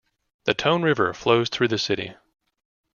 The Tone River flows through the city.